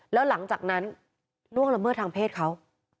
แล้วหลังจากนั้นล่วงละเมิดทางเพศเขา